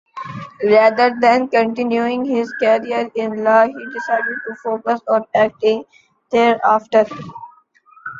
Rather than continuing his career in law, he decided to focus on acting thereafter.